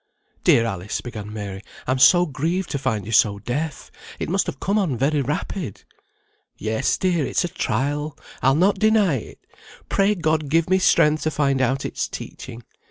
"Dear Alice," began Mary, "I'm so grieved to find you so deaf; it must have come on very rapid." "Yes, dear, it's a trial; I'll not deny it. Pray God give me strength to find out its teaching.